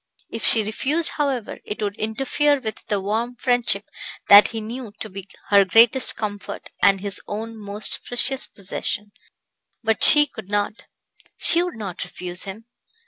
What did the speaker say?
If she refused, however, it would interfere with the warm friendship that he knew to be her greatest comfort and his own most precious possession; but she could not, she would not refuse him.